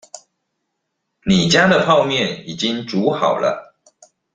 你家的泡麵已經煮好了